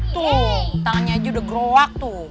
tuh tangannya aja udah gerowak tuh